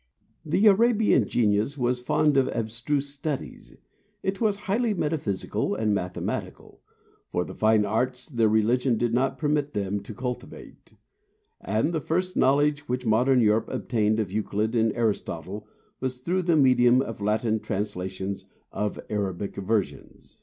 The Arabian genius was fond of abstruse studies; it was highly metaphysical and mathematical, for the fine arts their religion did not permit them to cultivate; and the first knowledge which modern Europe obtained of Euclid and Aristotle was through the medium of Latin translations of Arabic versions.